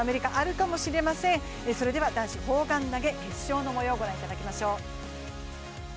それでは男子砲丸投決勝の模様を御覧いただきましょう。